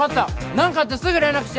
何かあったらすぐ連絡して